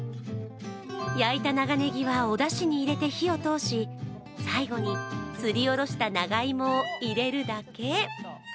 焼いた長ねぎはおだしに入れて火を通し最後にすり下ろした長芋を入れるだけ。